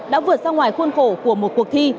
đã vượt ra ngoài khuôn khổ của một cuộc thi